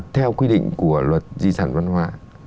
theo quy định của luật di sản văn hóa